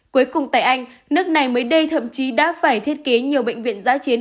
cuối cùng tại anh nước này mới đây thậm chí đã phải thiết kế nhiều bệnh viện giã chiến